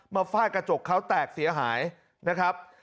ฟาดกระจกเขาแตกเสียหายนะครับ